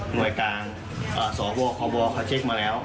หน่วยกลางสอบว่าเขาเช็คมาแล้ว